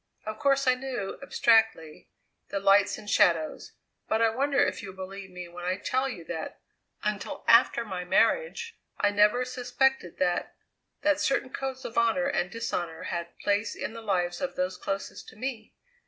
Of course I knew, abstractly, the lights and shadows; but I wonder if you will believe me when I tell you that, until after my marriage, I never suspected that that certain codes of honour and dishonour had place in the lives of those closest to me?